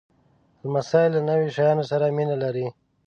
لمسی له نویو شیانو سره مینه لري.